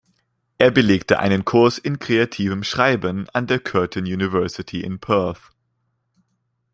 Er belegte einen Kurs in kreativem Schreiben an der Curtin University in Perth.